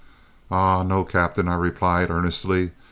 "Ah, no, captain," I replied earnestly.